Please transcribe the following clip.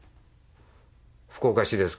「福岡市ですか？」